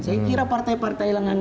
saya kira partai partai yang